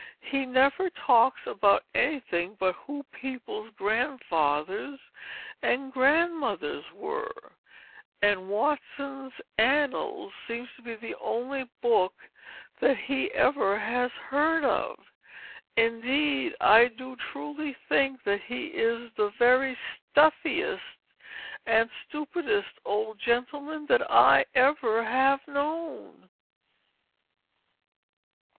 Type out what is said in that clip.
He never talks about anything but who peoples' grandfathers and grandmothers were; and Watson's Annals seems to be the only book that he ever has heard of. Indeed, I do truly think that he is the very stuffiest and stupidest old gentleman that I ever have known."